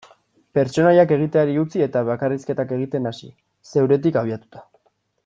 Pertsonaiak egiteari utzi eta bakarrizketak egiten hasi, zeuretik abiatuta.